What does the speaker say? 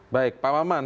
baik pak maman